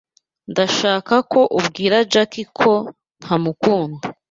Ndashaka ko ubwira Jack ko ndamukunda.